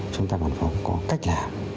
chúng ta còn phải có cách làm